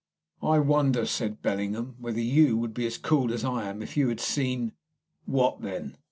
"I wonder," said Bellingham, "whether you would be as cool as I am if you had seen " "What then?"